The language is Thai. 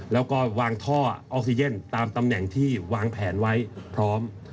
แล้วก็วางท่อออกซิเจนตามตำแหน่งที่วางแผนไว้พร้อม